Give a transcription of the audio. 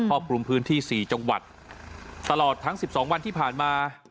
รอบคลุมพื้นที่สี่จังหวัดตลอดทั้งสิบสองวันที่ผ่านมา